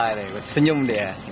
ya pak jokowi ketawa senyum dia